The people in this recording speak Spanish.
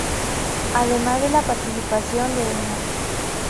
Además de la participación de Mr.